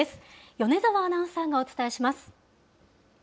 米澤アナウンサーがお伝えします。